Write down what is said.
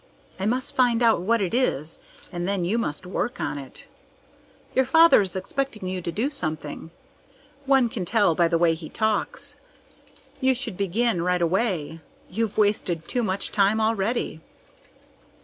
I must find out what it is and then you must work on it. Your father is expecting you to do something. One can tell by the way he talks. You should begin right away. You've wasted too much time already."